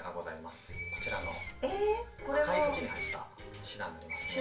こちらの赤い鉢に入ったシダになりますね。